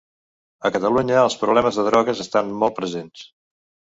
A Catalunya els problemes de drogues estan molt presents.